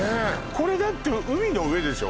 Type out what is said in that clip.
これだって海の上でしょ